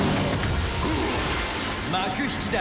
幕引きだ。